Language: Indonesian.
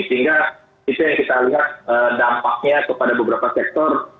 sehingga itu yang kita lihat dampaknya kepada beberapa sektor